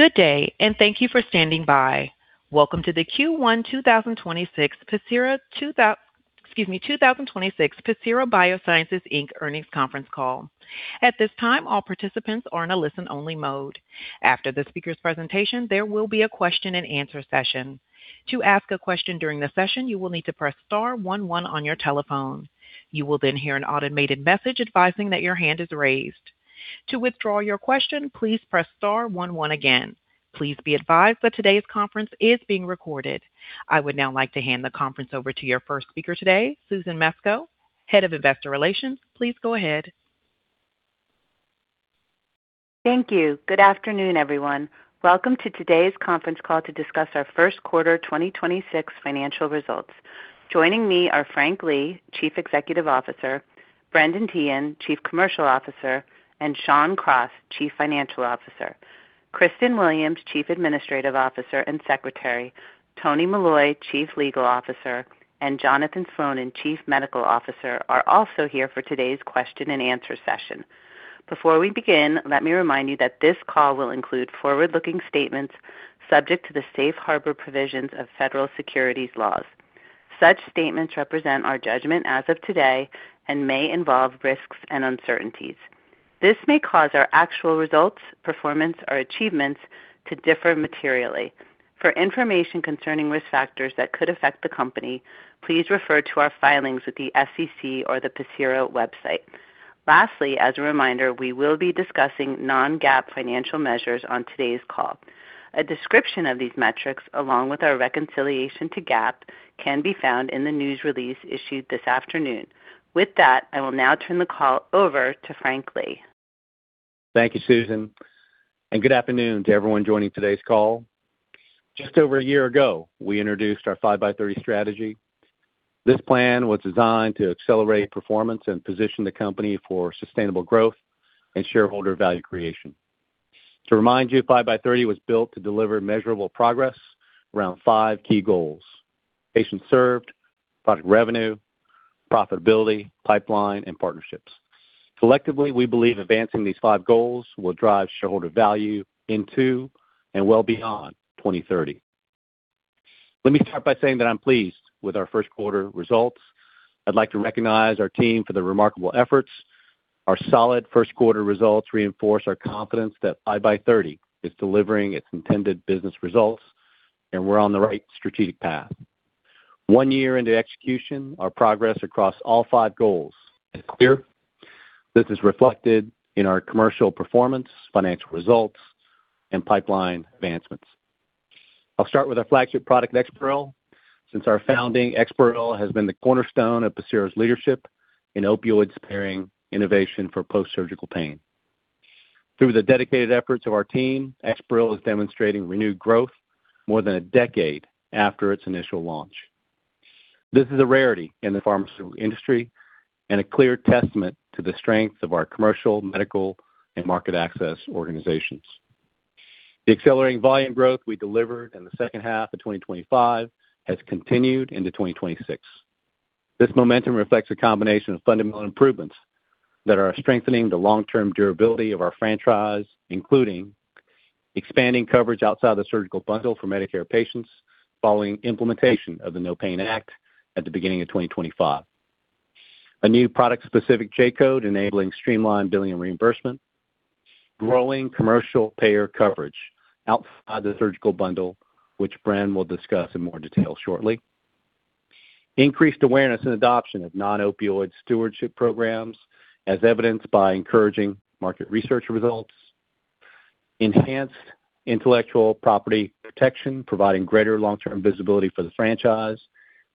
Good day and thank you for standing by. Welcome to the Q1 2026 Pacira BioSciences, Inc. earnings conference call. At this time, all participants are in a listen-only mode. After the speaker's presentation, there will be a question-and-answer session. Please be advised that today's conference is being recorded. I would now like to hand the conference over to your first speaker today, Susan Mesco, Head of Investor Relations. Please go ahead. Thank you. Good afternoon, everyone. Welcome to today's conference call to discuss our first quarter 2026 financial results. Joining me are Frank Lee, Chief Executive Officer, Brendan Teehan, Chief Commercial Officer, and Shawn Cross, Chief Financial Officer. Kristen Williams, Chief Administrative Officer and Secretary, Tony Molloy, Chief Legal Officer, and Jonathan Slonin, Chief Medical Officer, are also here for today's question and answer session. Before we begin, let me remind you that this call will include forward-looking statements subject to the safe harbor provisions of federal securities laws. Such statements represent our judgment as of today and may involve risks and uncertainties. This may cause our actual results, performance, or achievements to differ materially. For information concerning risk factors that could affect the company, please refer to our filings with the SEC or the Pacira website. Lastly, as a reminder, we will be discussing non-GAAP financial measures on today's call. A description of these metrics, along with our reconciliation to GAAP, can be found in the news release issued this afternoon. With that, I will now turn the call over to Frank Lee. Thank you, Susan. Good afternoon to everyone joining today's call. Just over a year ago, we introduced our 5x30 strategy. This plan was designed to accelerate performance and position the company for sustainable growth and shareholder value creation. To remind you, 5x30 was built to deliver measurable progress around five key goals: patients served, product revenue, profitability, pipeline, and partnerships. Collectively, we believe advancing these five goals will drive shareholder value into and well beyond 2030. Let me start by saying that I'm pleased with our first quarter results. I'd like to recognize our team for their remarkable efforts. Our solid first quarter results reinforce our confidence that 5x30 is delivering its intended business results, and we're on the right strategic path. One year into execution, our progress across all five goals is clear. This is reflected in our commercial performance, financial results, and pipeline advancements. I'll start with our flagship product, EXPAREL. Since our founding, EXPAREL has been the cornerstone of Pacira's leadership in opioid-sparing innovation for post-surgical pain. Through the dedicated efforts of our team, EXPAREL is demonstrating renewed growth more than a decade after its initial launch. This is a rarity in the pharmaceutical industry and a clear testament to the strength of our commercial, medical, and market access organizations. The accelerating volume growth we delivered in the second half of 2025 has continued into 2026. This momentum reflects a combination of fundamental improvements that are strengthening the long-term durability of our franchise, including expanding coverage outside the surgical bundle for Medicare patients following implementation of the NOPAIN Act at the beginning of 2025. A new product-specific J-code enabling streamlined billing and reimbursement. Growing commercial payer coverage outside the surgical bundle, which Bren will discuss in more detail shortly. Increased awareness and adoption of non-opioid stewardship programs, as evidenced by encouraging market research results. Enhanced intellectual property protection, providing greater long-term visibility for the franchise.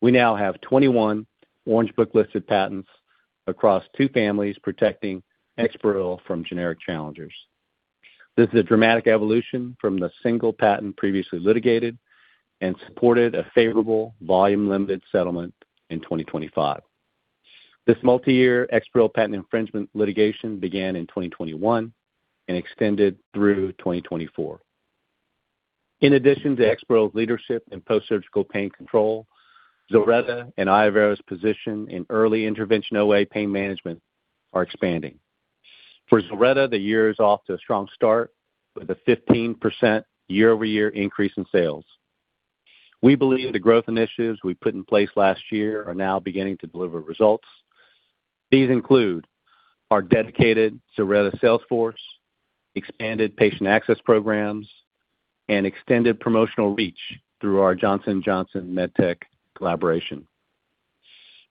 We now have 21 Orange Book-listed patents across two families protecting EXPAREL from generic challengers. This is a dramatic evolution from the single patent previously litigated and supported a favorable volume-limited settlement in 2025. This multi-year EXPAREL patent infringement litigation began in 2021 and extended through 2024. In addition to EXPAREL's leadership in post-surgical pain control, ZILRETTA and iovera's position in early intervention OA pain management are expanding. For ZILRETTA, the year is off to a strong start with a 15% year-over-year increase in sales. We believe the growth initiatives we put in place last year are now beginning to deliver results. These include our dedicated ZILRETTA sales force, expanded patient access programs, and extended promotional reach through our Johnson & Johnson MedTech collaboration.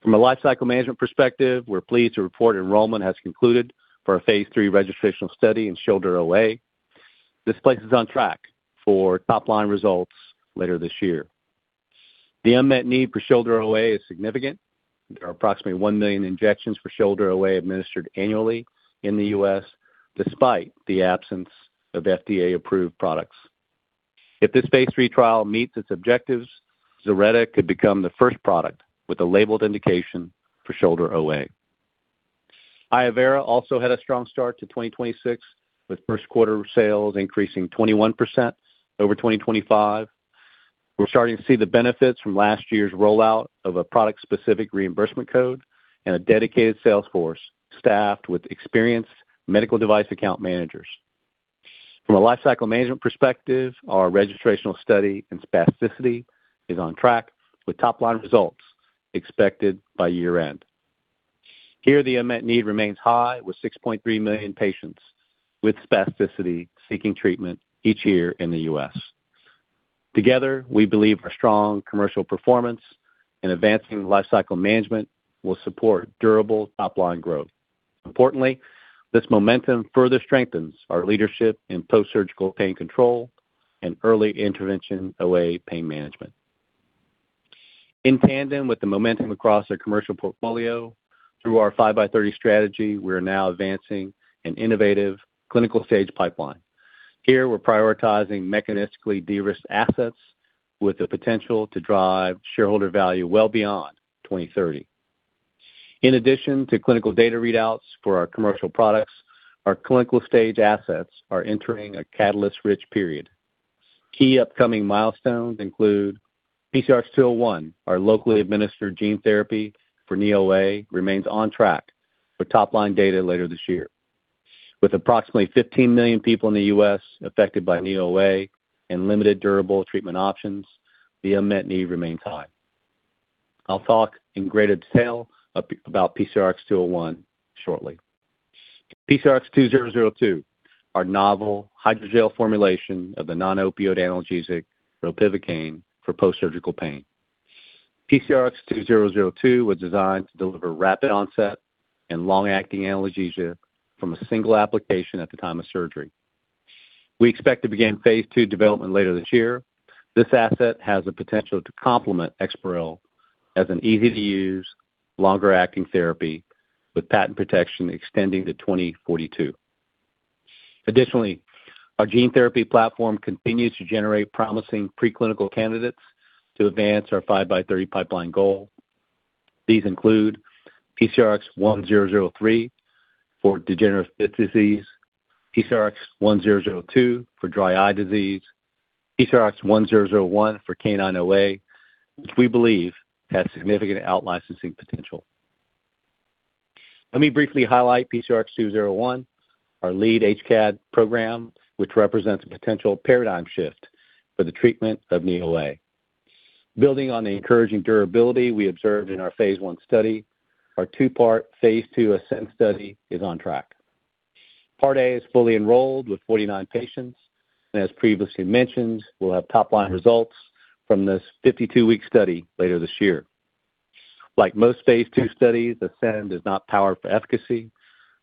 From a lifecycle management perspective, we're pleased to report enrollment has concluded for a phase III registrational study in shoulder OA. This places us on track for top-line results later this year. The unmet need for shoulder OA is significant. There are approximately 1 million injections for shoulder OA administered annually in the U.S. despite the absence of FDA-approved products. If this phase III trial meets its objectives, ZILRETTA could become the first product with a labeled indication for shoulder OA. Iovera also had a strong start to 2026, with first quarter sales increasing 21% over 2025. We're starting to see the benefits from last year's rollout of a product-specific reimbursement code and a dedicated sales force staffed with experienced medical device account managers. From a lifecycle management perspective, our registrational study in spasticity is on track with top-line results expected by year-end. Here, the unmet need remains high, with 6.3 million patients with spasticity seeking treatment each year in the U.S. Together, we believe our strong commercial performance in advancing lifecycle management will support durable top-line growth. Importantly, this momentum further strengthens our leadership in post-surgical pain control and early intervention OA pain management. In tandem with the momentum across our commercial portfolio, through our 5x30 strategy, we are now advancing an innovative clinical-stage pipeline. Here, we're prioritizing mechanistically de-risked assets with the potential to drive shareholder value well beyond 2030. In addition to clinical data readouts for our commercial products, our clinical-stage assets are entering a catalyst-rich period. Key upcoming milestones include PCRX-201, our locally administered gene therapy for knee OA, remains on track for top-line data later this year. With approximately 15 million people in the U.S. affected by knee OA and limited durable treatment options, the unmet need remains high. I'll talk in greater detail about PCRX-201 shortly. PCRX-2002, our novel hydrogel formulation of the non-opioid analgesic ropivacaine for post-surgical pain. PCRX-2002 was designed to deliver rapid onset and long-acting analgesia from a single application at the time of surgery. We expect to begin phase II development later this year. This asset has the potential to complement EXPAREL as an easy-to-use, longer-acting therapy with patent protection extending to 2042. Additionally, our gene therapy platform continues to generate promising preclinical candidates to advance our 5x30 pipeline goal. These include PCRX-1003 for degenerative disc disease, PCRX-1002 for dry eye disease, PCRX-1001 for canine OA, which we believe has significant out-licensing potential. Let me briefly highlight PCRX-201, our lead HCAd program, which represents a potential paradigm shift for the treatment of knee OA. Building on the encouraging durability we observed in our phase I study, our two-part phase II ASCEND study is on track. Part A is fully enrolled with 49 patients, as previously mentioned, we'll have top-line results from this 52-week study later this year. Like most phase II studies, ASCEND is not powered for efficacy.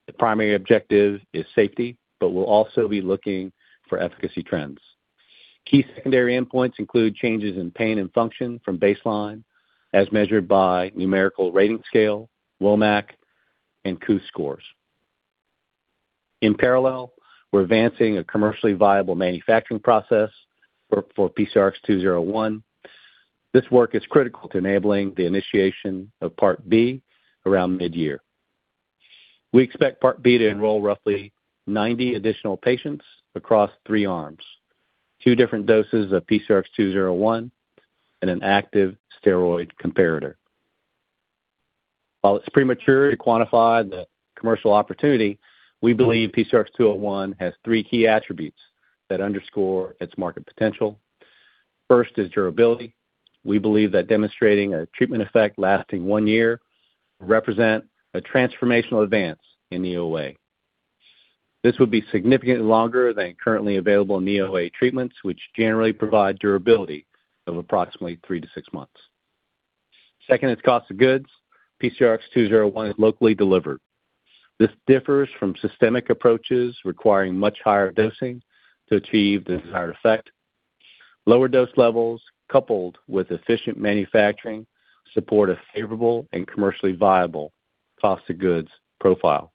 The primary objective is safety. We'll also be looking for efficacy trends. Key secondary endpoints include changes in pain and function from baseline as measured by numerical rating scale, WOMAC, and KOOS scores. In parallel, we're advancing a commercially viable manufacturing process for PCRX-201. This work is critical to enabling the initiation of Part B around mid-year. We expect Part B to enroll roughly 90 additional patients across three arms, two different doses of PCRX-201, and an active steroid comparator. While it's premature to quantify the commercial opportunity, we believe PCRX-201 has three key attributes that underscore its market potential. First is durability. We believe that demonstrating a treatment effect lasting one year will represent a transformational advance in knee OA. This would be significantly longer than currently available knee OA treatments, which generally provide durability of approximately three to six months. Second is cost of goods. PCRX-201 is locally delivered. This differs from systemic approaches requiring much higher dosing to achieve the desired effect. Lower dose levels coupled with efficient manufacturing support a favorable and commercially viable cost of goods profile.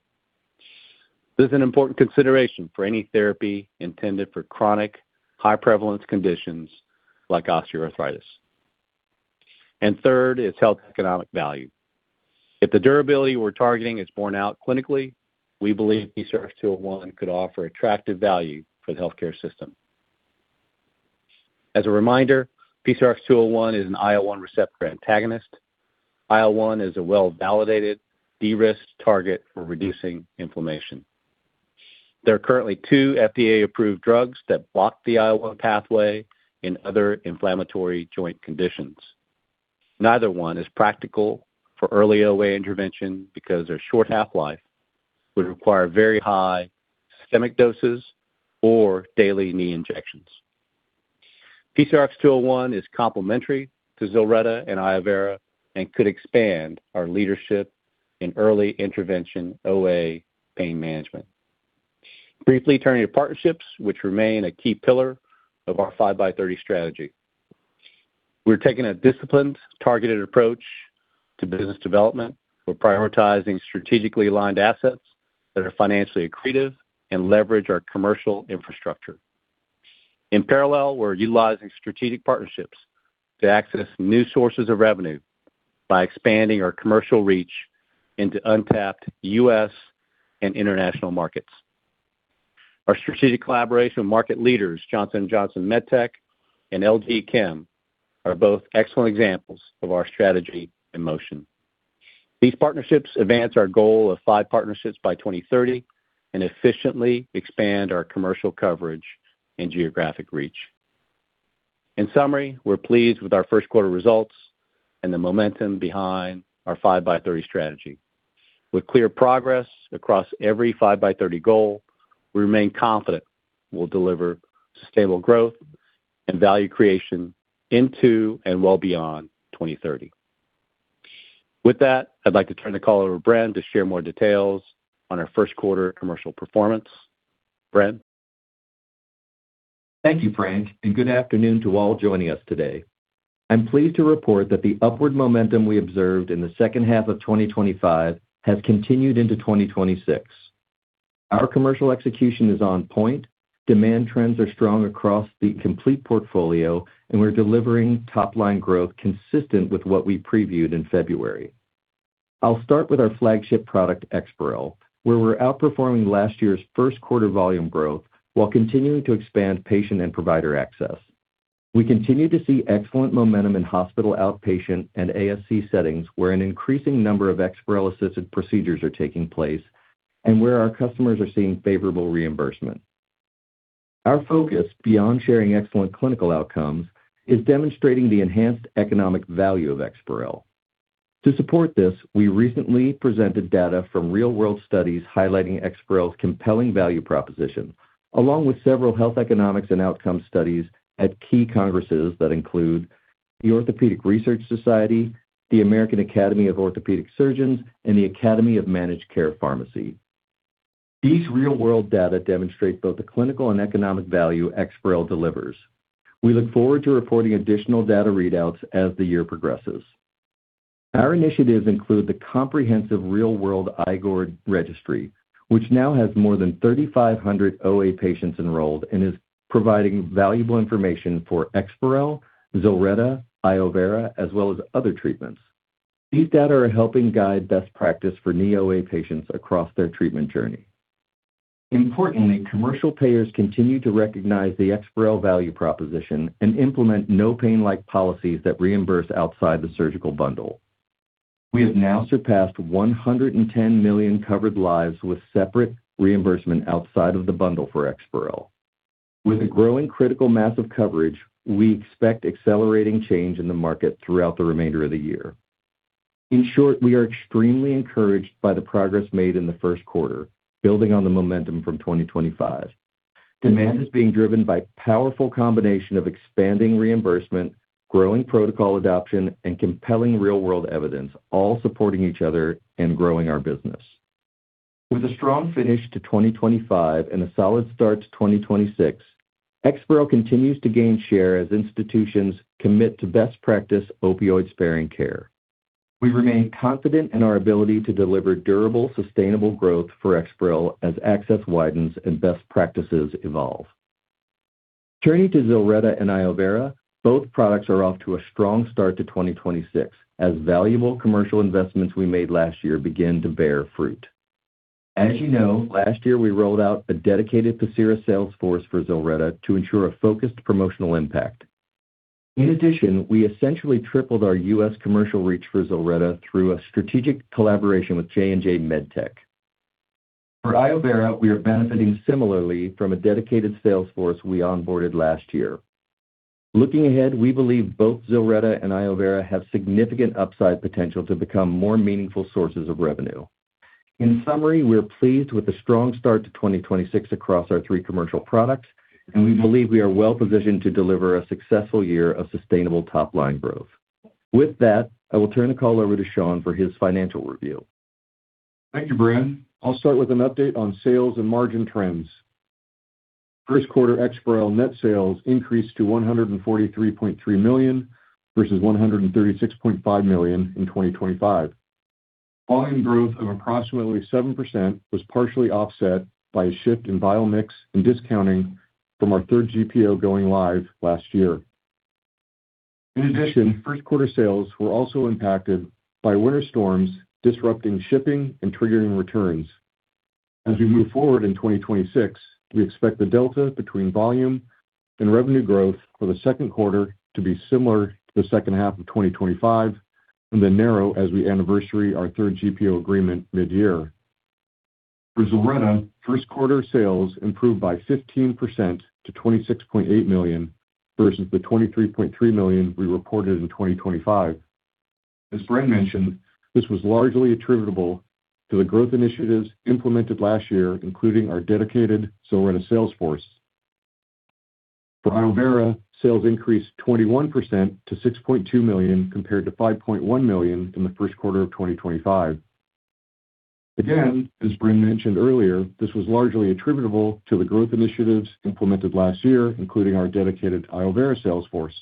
This is an important consideration for any therapy intended for chronic high-prevalence conditions like osteoarthritis. Third is health economic value. If the durability we're targeting is borne out clinically, we believe PCRX-201 could offer attractive value for the healthcare system. As a reminder, PCRX-201 is an IL-1 receptor antagonist. IL-1 is a well-validated de-risked target for reducing inflammation. There are currently two FDA-approved drugs that block the IL-1 pathway in other inflammatory joint conditions. Neither one is practical for early OA intervention because their short half-life would require very high systemic doses or daily knee injections. PCRX-201 is complementary to ZILRETTA and iovera and could expand our leadership in early intervention OA pain management. Briefly turning to partnerships, which remain a key pillar of our 5x30 strategy. We're taking a disciplined, targeted approach to business development. We're prioritizing strategically aligned assets that are financially accretive and leverage our commercial infrastructure. In parallel, we're utilizing strategic partnerships to access new sources of revenue by expanding our commercial reach into untapped U.S. and international markets. Our strategic collaboration with market leaders Johnson & Johnson MedTech and LG Chem are both excellent examples of our strategy in motion. These partnerships advance our goal of five partnerships by 2030 and efficiently expand our commercial coverage and geographic reach. In summary, we're pleased with our first quarter results and the momentum behind our 5x30 strategy. With clear progress across every 5x30 goal, we remain confident we'll deliver sustainable growth and value creation into and well beyond 2030. With that, I'd like to turn the call over to Bren to share more details on our first quarter commercial performance. Bren. Thank you, Frank, and good afternoon to all joining us today. I'm pleased to report that the upward momentum we observed in the second half of 2025 has continued into 2026. Our commercial execution is on point. Demand trends are strong across the complete portfolio, we're delivering top-line growth consistent with what we previewed in February. I'll start with our flagship product, EXPAREL, where we're outperforming last year's first quarter volume growth while continuing to expand patient and provider access. We continue to see excellent momentum in hospital outpatient and ASC settings, where an increasing number of EXPAREL-assisted procedures are taking place and where our customers are seeing favorable reimbursement. Our focus beyond sharing excellent clinical outcomes is demonstrating the enhanced economic value of EXPAREL. To support this, we recently presented data from real-world studies highlighting EXPAREL's compelling value proposition, along with several health economics and outcomes studies at key congresses that include the Orthopaedic Research Society, the American Academy of Orthopaedic Surgeons, and the Academy of Managed Care Pharmacy. These real-world data demonstrate both the clinical and economic value EXPAREL delivers. We look forward to reporting additional data readouts as the year progresses. Our initiatives include the comprehensive real-world IGOR registry, which now has more than 3,500 OA patients enrolled and is providing valuable information for EXPAREL, ZILRETTA, iovera, as well as other treatments. These data are helping guide best practice for knee OA patients across their treatment journey. Importantly, commercial payers continue to recognize the EXPAREL value proposition and implement NOPAIN-like policies that reimburse outside the surgical bundle. We have now surpassed 110 million covered lives with separate reimbursement outside of the bundle for EXPAREL. With a growing critical mass of coverage, we expect accelerating change in the market throughout the remainder of the year. In short, we are extremely encouraged by the progress made in the first quarter, building on the momentum from 2025. Demand is being driven by powerful combination of expanding reimbursement, growing protocol adoption, and compelling real-world evidence, all supporting each other and growing our business. With a strong finish to 2025 and a solid start to 2026, EXPAREL continues to gain share as institutions commit to best practice opioid-sparing care. We remain confident in our ability to deliver durable, sustainable growth for EXPAREL as access widens and best practices evolve. Turning to ZILRETTA and iovera, both products are off to a strong start to 2026 as valuable commercial investments we made last year begin to bear fruit. As you know, last year, we rolled out a dedicated Pacira sales force for ZILRETTA to ensure a focused promotional impact. In addition, we essentially tripled our U.S. commercial reach for ZILRETTA through a strategic collaboration with J&J MedTech. For iovera, we are benefiting similarly from a dedicated sales force we onboarded last year. Looking ahead, we believe both ZILRETTA and iovera have significant upside potential to become more meaningful sources of revenue. In summary, we're pleased with the strong start to 2026 across our three commercial products. We believe we are well-positioned to deliver a successful year of sustainable top-line growth. With that, I will turn the call over to Shawn for his financial review. Thank you, Bren. I'll start with an update on sales and margin trends. First quarter EXPAREL net sales increased to $143.3 million, versus $136.5 million in 2025. Volume growth of approximately 7% was partially offset by a shift in vial mix and discounting from our third GPO going live last year. First quarter sales were also impacted by winter storms disrupting shipping and triggering returns. As we move forward in 2026, we expect the delta between volume and revenue growth for the second quarter to be similar to the second half of 2025 and then narrow as we anniversary our third GPO agreement mid-year. For ZILRETTA, first quarter sales improved by 15% to $26.8 million, versus the $23.3 million we reported in 2025. As Bren mentioned, this was largely attributable to the growth initiatives implemented last year, including our dedicated ZILRETTA sales force. For iovera, sales increased 21% to $6.2 million, compared to $5.1 million in the first quarter of 2025. Again, as Bren mentioned earlier, this was largely attributable to the growth initiatives implemented last year, including our dedicated iovera sales force.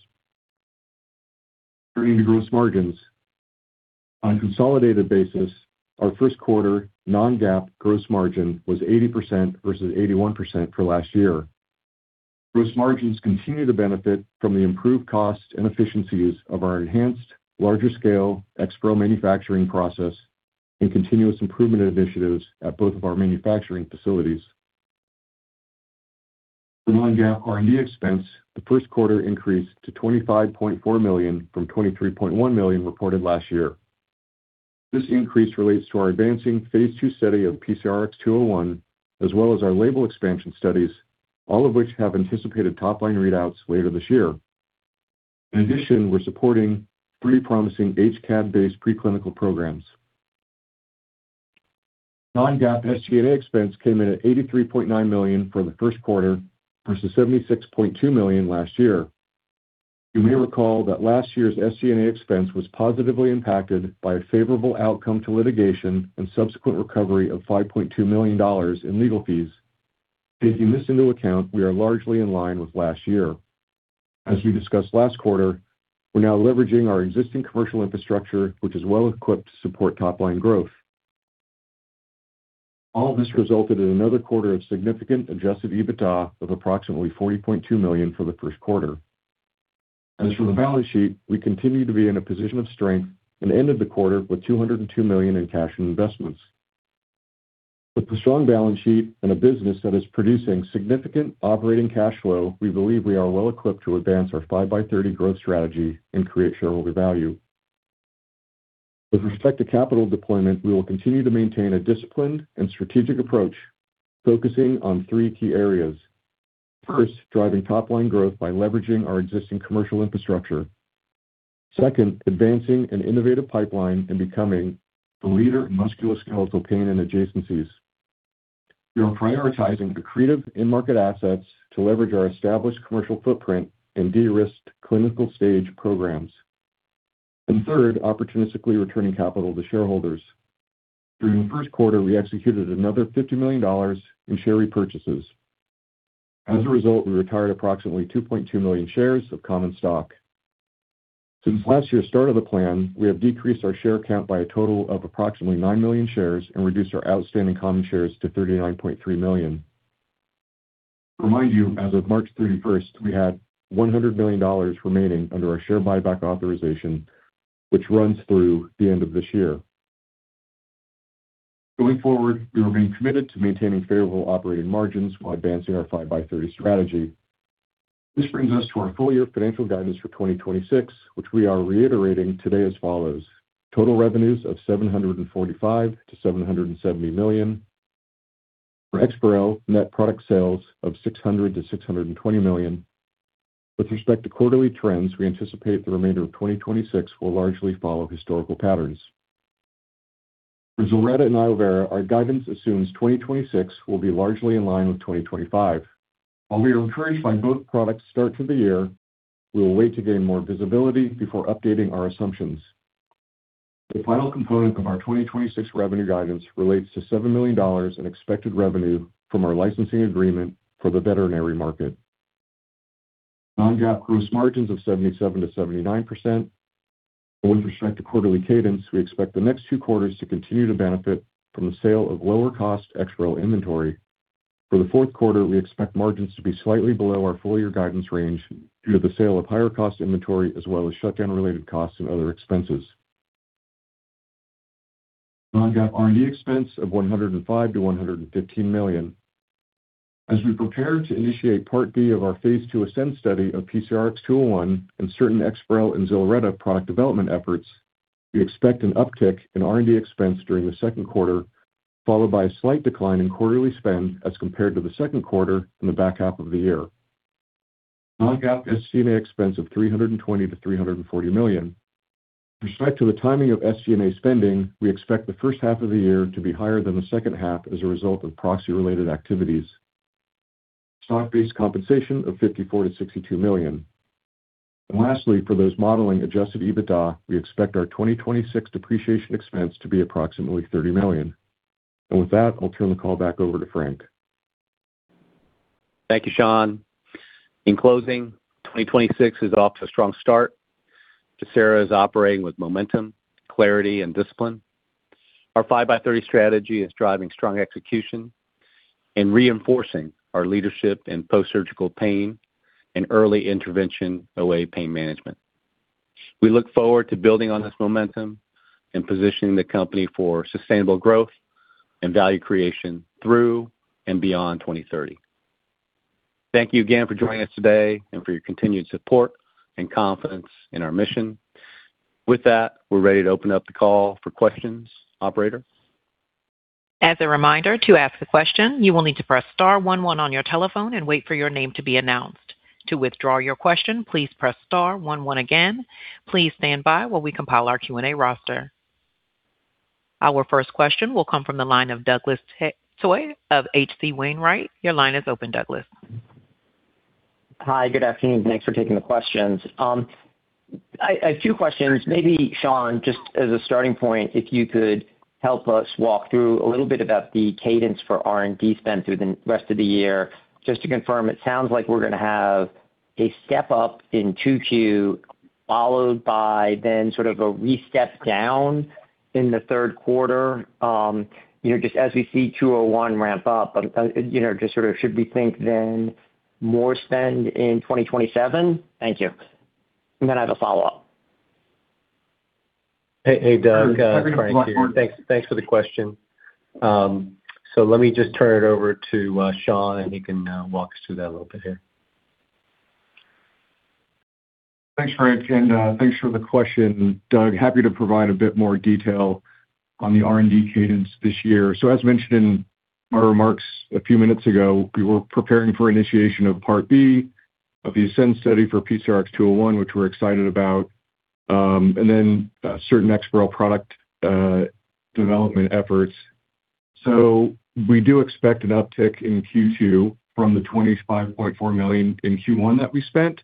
Turning to gross margins. On a consolidated basis, our first quarter non-GAAP gross margin was 80%, versus 81% for last year. Gross margins continue to benefit from the improved cost and efficiencies of our enhanced larger scale EXPAREL manufacturing process and continuous improvement initiatives at both of our manufacturing facilities. The non-GAAP R&D expense, the first quarter increased to $25.4 million from $23.1 million reported last year. This increase relates to our advancing phase II study of PCRX-201 as well as our label expansion studies, all of which have anticipated top line readouts later this year. In addition, we're supporting three promising HCAd-based preclinical programs. Non-GAAP SG&A expense came in at $83.9 million for the first quarter versus $76.2 million last year. You may recall that last year's SG&A expense was positively impacted by a favorable outcome to litigation and subsequent recovery of $5.2 million in legal fees. Taking this into account, we are largely in line with last year. As we discussed last quarter, we're now leveraging our existing commercial infrastructure, which is well equipped to support top line growth. All of this resulted in another quarter of significant adjusted EBITDA of approximately $40.2 million for the first quarter. As for the balance sheet, we continue to be in a position of strength and ended the quarter with $202 million in cash and investments. With a strong balance sheet and a business that is producing significant operating cash flow, we believe we are well equipped to advance our 5x30 growth strategy and create shareholder value. With respect to capital deployment, we will continue to maintain a disciplined and strategic approach, focusing on three key areas. First, driving top line growth by leveraging our existing commercial infrastructure. Second, advancing an innovative pipeline and becoming the leader in musculoskeletal pain and adjacencies. We are prioritizing accretive end market assets to leverage our established commercial footprint and de-risk clinical stage programs. Third, opportunistically returning capital to shareholders. During the first quarter, we executed another $50 million in share repurchases. As a result, we retired approximately 2.2 million shares of common stock. Since last year's start of the plan, we have decreased our share count by a total of approximately 9 million shares and reduced our outstanding common shares to 39.3 million. To remind you, as of March 31st, we had $100 million remaining under our share buyback authorization, which runs through the end of this year. Going forward, we remain committed to maintaining favorable operating margins while advancing our 5x30 strategy. This brings us to our full year financial guidance for 2026, which we are reiterating today as follows. Total revenues of $745 million-$770 million. For EXPAREL, net product sales of $600 million-$620 million. With respect to quarterly trends, we anticipate the remainder of 2026 will largely follow historical patterns. For ZILRETTA and iovera, our guidance assumes 2026 will be largely in line with 2025. While we are encouraged by both products' start to the year, we will wait to gain more visibility before updating our assumptions. The final component of our 2026 revenue guidance relates to $7 million in expected revenue from our licensing agreement for the veterinary market. Non-GAAP gross margins of 77%-79%. With respect to quarterly cadence, we expect the next two quarters to continue to benefit from the sale of lower cost EXPAREL inventory. For the fourth quarter, we expect margins to be slightly below our full year guidance range due to the sale of higher cost inventory as well as shutdown-related costs and other expenses. Non-GAAP R&D expense of $105 million-$115 million. As we prepare to initiate part B of our phase II ASCEND study of PCRX-201 and certain EXPAREL and ZILRETTA product development efforts, we expect an uptick in R&D expense during the second quarter, followed by a slight decline in quarterly spend as compared to the second quarter in the back half of the year. Non-GAAP SG&A expense of $320 million-$340 million. With respect to the timing of SG&A spending, we expect the first half of the year to be higher than the second half as a result of proxy-related activities. Stock-based compensation of $54 million-$62 million. Lastly, for those modeling adjusted EBITDA, we expect our 2026 depreciation expense to be approximately $30 million. With that, I'll turn the call back over to Frank. Thank you, Shawn. In closing, 2026 is off to a strong start. Pacira is operating with momentum, clarity and discipline. Our 5x30 strategy is driving strong execution and reinforcing our leadership in post-surgical pain and early intervention OA pain management. We look forward to building on this momentum and positioning the company for sustainable growth and value creation through and beyond 2030. Thank you again for joining us today and for your continued support and confidence in our mission. With that, we're ready to open up the call for questions. Operator? As reminder, to ask a question, you will need to press star one one on your telephone and wait for your name to be announced. To withdraw your question, please press star one one again. Please stand by while we compile our Q&A roster. Our first question will come from the line of Douglas Tsao of H.C. Wainwright. Your line is open, Douglas. Hi. Good afternoon. Thanks for taking the questions. A few questions. Maybe Shawn, just as a starting point, if you could help us walk through a little bit about the cadence for R&D spend through the rest of the year. Just to confirm, it sounds like we're gonna have a step-up in 2Q, followed by then sort of a re-step down in the third quarter, you know, just as we see PCRX-201 ramp up. You know, just sort of should we think then more spend in 2027? Thank you. I have a follow-up. Hey, hey Doug, Frank here. Thanks for the question. Let me just turn it over to Shawn, and he can walk us through that a little bit here. Thanks, Frank, and thanks for the question, Doug. Happy to provide a bit more detail on the R&D cadence this year. As mentioned in my remarks a few minutes ago, we were preparing for initiation of Part B of the ASCEND study for PCRX-201, which we're excited about, and then certain EXPAREL product development efforts. We do expect an uptick in Q2 from the $25.4 million in Q1 that we spent.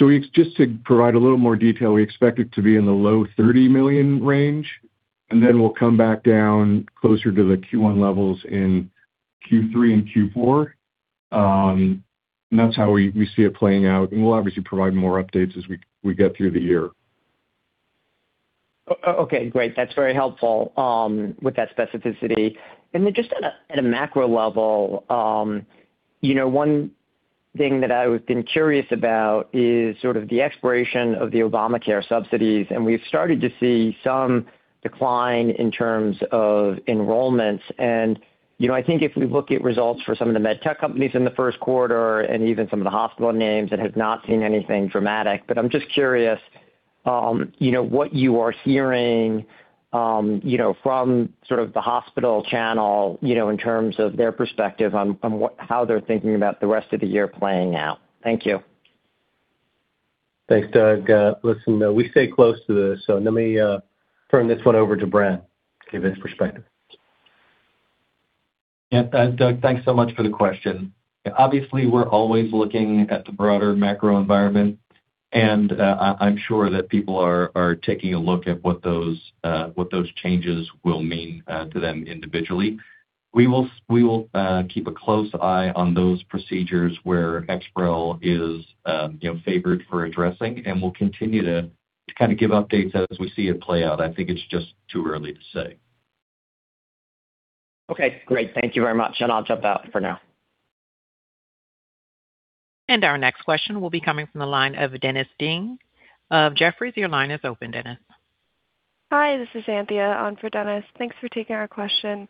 Just to provide a little more detail, we expect it to be in the low $30 million range, and then we'll come back down closer to the Q1 levels in Q3 and Q4. That's how we see it playing out. We'll obviously provide more updates as we get through the year. Okay, great. That's very helpful, with that specificity. Then just at a, at a macro level, you know, one thing that I've been curious about is sort of the expiration of the Obamacare subsidies. We've started to see some decline in terms of enrollments. You know, I think if we look at results for some of the med tech companies in the first quarter and even some of the hospital names that have not seen anything dramatic. I'm just curious, you know, what you are hearing, you know, from sort of the hospital channel, you know, in terms of their perspective on what how they're thinking about the rest of the year playing out. Thank you. Thanks, Doug. listen, we stay close to this, so let me turn this one over to Bren to give his perspective. Doug, thanks so much for the question. Obviously, we're always looking at the broader macro environment. I'm sure that people are taking a look at what those changes will mean to them individually. We will keep a close eye on those procedures where EXPAREL is, you know, favored for addressing, and we'll continue to kind of give updates as we see it play out. I think it's just too early to say. Okay, great. Thank you very much, and I'll jump out for now. Our next question will be coming from the line of Dennis Ding of Jefferies. Your line is open, Dennis. Hi, this is Anthea on for Dennis. Thanks for taking our question.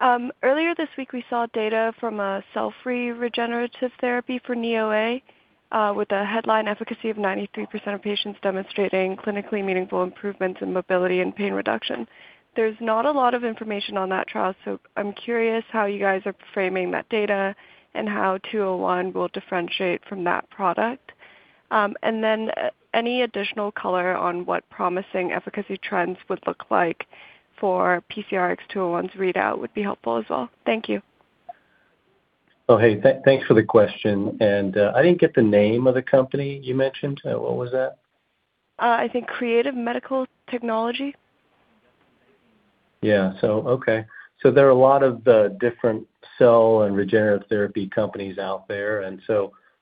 Earlier this week, we saw data from a cell-free regenerative therapy for knee OA, with a headline efficacy of 93% of patients demonstrating clinically meaningful improvements in mobility and pain reduction. There's not a lot of information on that trial, so I'm curious how you guys are framing that data and how PCRX-201 will differentiate from that product. Any additional color on what promising efficacy trends would look like for PCRX-201's readout would be helpful as well. Thank you. Hey, thanks for the question. I didn't get the name of the company you mentioned. What was that? I think Creative Medical Technology. Okay. There are a lot of different cell and regenerative therapy companies out there.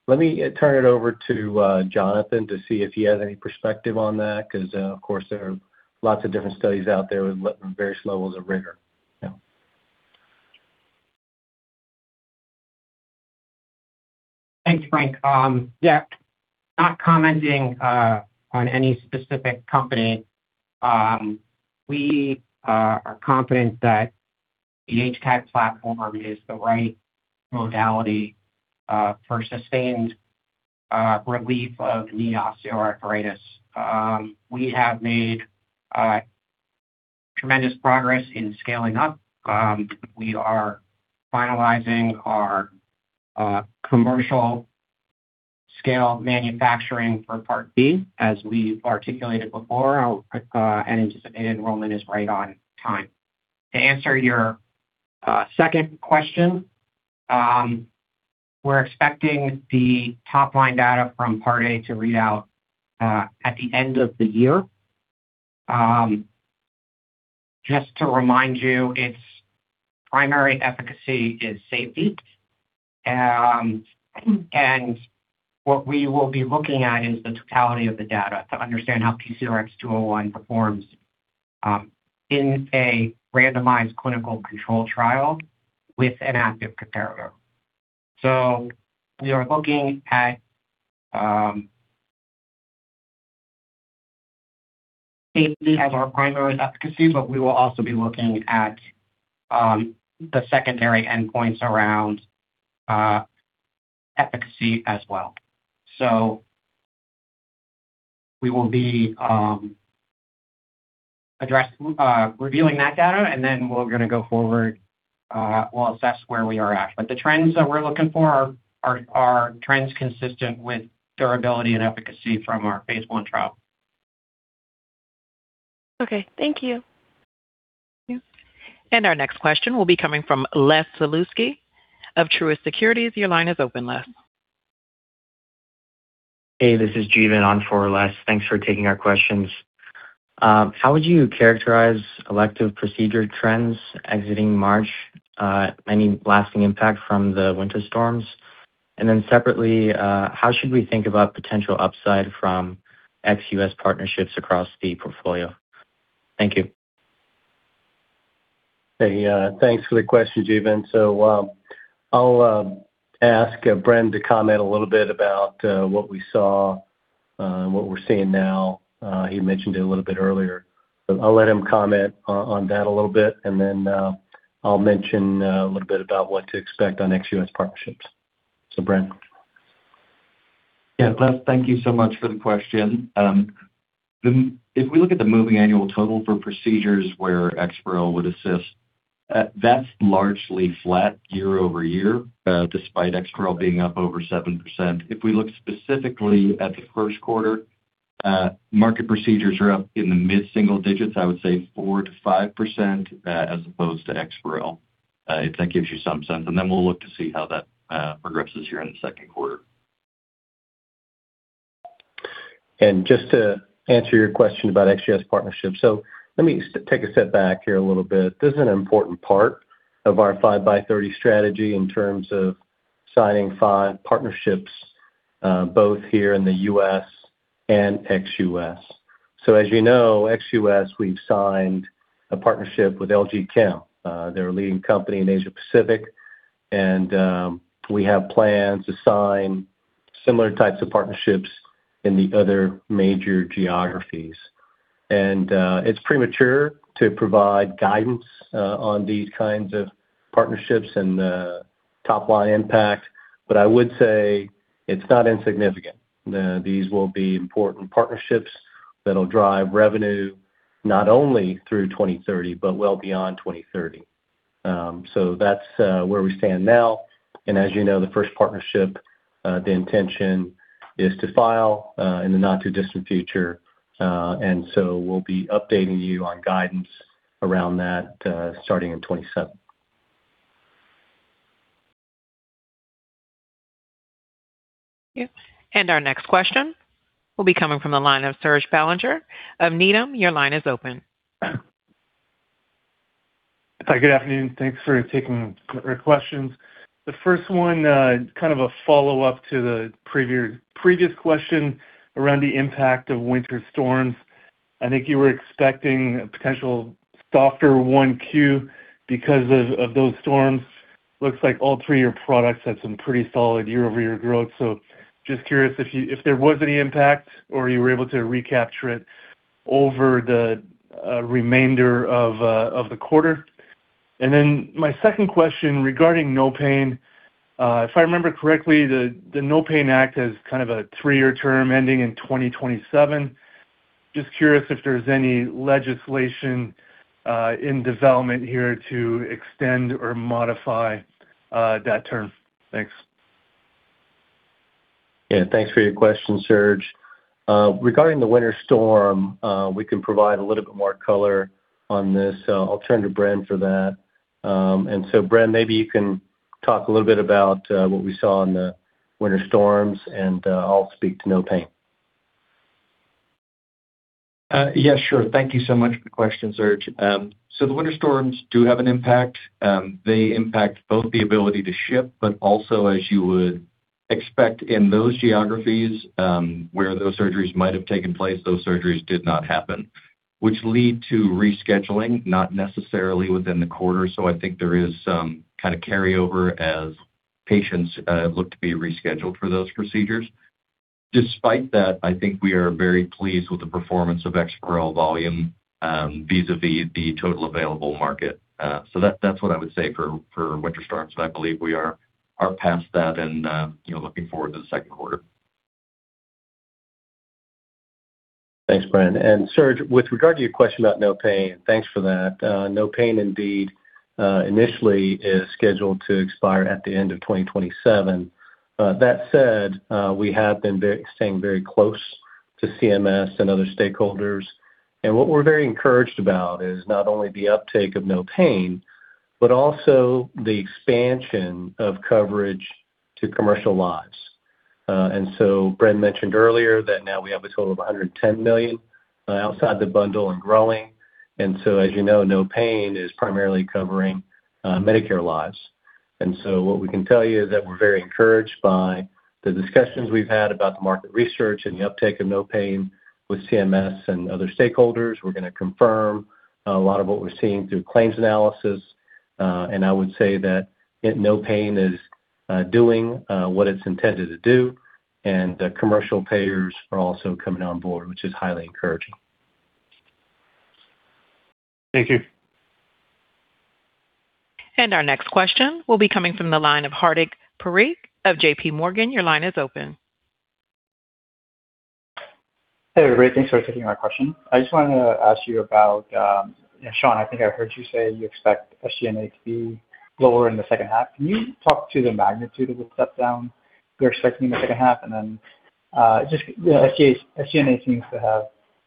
Let me turn it over to Jonathan to see if he has any perspective on that because of course, there are lots of different studies out there with various levels of rigor. Thanks, Frank. Not commenting on any specific company. We are confident that the HCAd platform is the right modality for sustained relief of knee osteoarthritis. We have made tremendous progress in scaling up. We are finalizing our commercial scale manufacturing for Part B. As we've articulated before, anticipated enrollment is right on time. To answer your second question, we're expecting the top-line data from Part A to read out at the end of the year. Just to remind you, its primary efficacy is safety. What we will be looking at is the totality of the data to understand how PCRX-201 performs in a randomized clinical control trial with an active comparator. We are looking at safety as our primary efficacy, but we will also be looking at the secondary endpoints around efficacy as well. We will be reviewing that data, and then we're gonna go forward, we'll assess where we are at. The trends that we're looking for are trends consistent with durability and efficacy from our phase I trial. Okay. Thank you. Our next question will be coming from Les Sulewski of Truist Securities. Your line is open, Les. Hey, this is Jeevan on for Les. Thanks for taking our questions. How would you characterize elective procedure trends exiting March? Any lasting impact from the winter storms? Separately, how should we think about potential upside from ex-U.S. partnerships across the portfolio? Thank you. Hey, thanks for the question, Jeevan. I'll ask Bren to comment a little bit about what we saw and what we're seeing now. He mentioned it a little bit earlier. I'll let him comment on that a little bit. I'll mention a little bit about what to expect on ex-US partnerships. Bren. Yeah. Les, thank you so much for the question. If we look at the moving annual total for procedures where EXPAREL would assist, that's largely flat year-over-year, despite EXPAREL being up over 7%. If we look specifically at the first quarter, market procedures are up in the mid-single digits. I would say 4%-5%, as opposed to EXPAREL. If that gives you some sense. Then we'll look to see how that progresses here in the second quarter. Just to answer your question about ex-U.S. partnerships. Let me take a step back here a little bit. This is an important part of our 5x30 strategy in terms of signing five partnerships, both here in the U.S. and ex-U.S. As you know, ex-U.S., we've signed a partnership with LG Chem, they're a leading company in Asia Pacific. We have plans to sign similar types of partnerships in the other major geographies. It's premature to provide guidance on these kinds of partnerships and top-line impact, but I would say it's not insignificant. These will be important partnerships that'll drive revenue not only through 2030, but well beyond 2030. That's where we stand now. As you know, the first partnership, the intention is to file, in the not too distant future. So, we'll be updating you on guidance around that, starting in 2027. Our next question will be coming from the line of Serge Belanger of Needham. Your line is open. Hi, good afternoon. Thanks for taking our questions. The first one, kind of a follow-up to the previous question around the impact of winter storms. I think you were expecting a potential softer 1Q because of those storms. Looks like all three of your products had some pretty solid year-over-year growth. Just curious if there was any impact or you were able to recapture it over the remainder of the quarter. My second question regarding NOPAIN Act. If I remember correctly, the NOPAIN Act has kind of a three-year term ending in 2027. Just curious if there's any legislation in development here to extend or modify that term. Thanks. Yeah, thanks for your question, Serge. Regarding the winter storm, we can provide a little bit more color on this, so I'll turn to Bren for that. Bren, maybe you can talk a little bit about what we saw in the winter storms. I'll speak to NOPAIN Act. Yeah, sure. Thank you so much for the question, Serge. The winter storms do have an impact. They impact both the ability to ship, but also, as you would expect in those geographies, where those surgeries might have taken place, those surgeries did not happen, which lead to rescheduling, not necessarily within the quarter. I think there is some kind of carryover as patients look to be rescheduled for those procedures. Despite that, I think we are very pleased with the performance of EXPAREL volume, vis-a-vis the total available market. That's what I would say for winter storms. I believe we are past that and, you know, looking forward to the second quarter. Thanks, Bren. Serge, with regard to your question about NOPAIN, thanks for that. NOPAIN indeed, initially is scheduled to expire at the end of 2027. That said, we have been staying very close to CMS and other stakeholders. What we're very encouraged about is not only the uptake of NOPAIN, but also the expansion of coverage to commercial lives. Bren mentioned earlier that now we have a total of $110 million outside the bundle and growing. As you know, NOPAIN is primarily covering Medicare lives. What we can tell you is that we're very encouraged by the discussions we've had about the market research and the uptake of NOPAIN with CMS and other stakeholders. We're gonna confirm a lot of what we're seeing through claims analysis. I would say that NOPAIN is doing what it's intended to do, and the commercial payers are also coming on board, which is highly encouraging. Thank you. Our next question will be coming from the line of Hardik Parikh of JPMorgan. Your line is open. Hey, everybody. Thanks for taking my question. I just wanted to ask you about Shawn, I think I heard you say you expect SG&A to be lower in the second half. Can you talk to the magnitude of the step down you're expecting in the second half? Then, just SG&A seems to have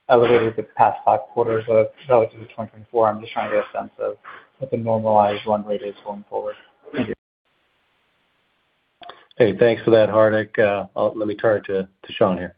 elevated the past five quarters of relative to 2024. I'm just trying to get a sense of what the normalized run rate is going forward. Thank you. Hey, thanks for that, Hardik. Let me turn it to Shawn here.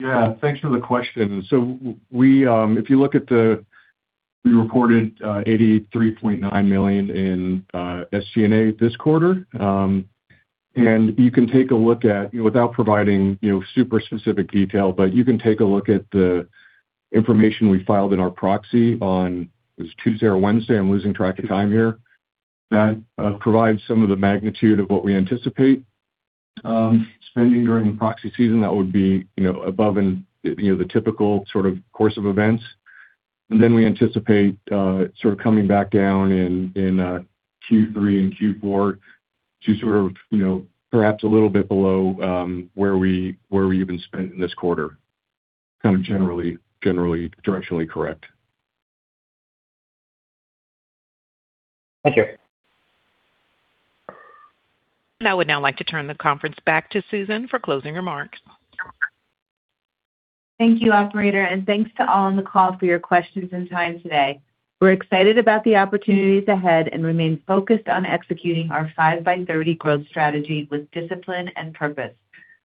Thanks for the question. If you look at, we reported $83.9 million in SG&A this quarter. You can take a look at, without providing, you know, super specific detail, but you can take a look at the information we filed in our proxy on, it was Tuesday or Wednesday. I'm losing track of time here. That provides some of the magnitude of what we anticipate spending during proxy season. That would be, you know, above and, you know, the typical sort of course of events. We anticipate sort of coming back down in Q3 and Q4 to sort of, you know, perhaps a little bit below where we, where we even spent in this quarter, kind of generally directionally correct. Thank you. I would now like to turn the conference back to Susan for closing remarks. Thank you, operator, and thanks to all on the call for your questions and time today. We're excited about the opportunities ahead and remain focused on executing our 5x30 growth strategy with discipline and purpose.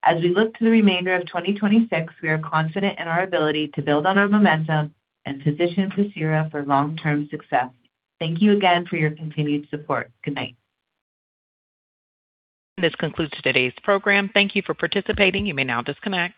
As we look to the remainder of 2026, we are confident in our ability to build on our momentum and position Pacira for long-term success. Thank you again for your continued support. Good night. This concludes today's program. Thank you for participating. You may now disconnect.